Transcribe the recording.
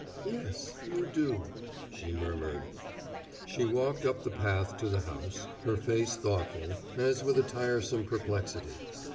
"Yes, you do!" she murmured. She walked up the path to the house, her face thoughtful, as with a tiresome perplexity.